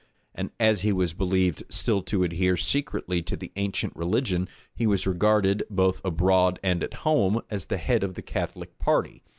and as he was believed still to adhere secretly to the ancient religion, he was regarded, both abroad and at home, as the head of the Catholic party.